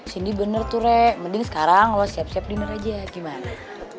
cindy bener tuh rek mending sekarang lo siap siap dinner aja gimana